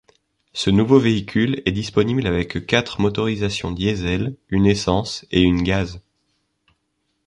Ce nouveau véhicule est disponible avec quatre motorisations Diesel, une essence et une gaz.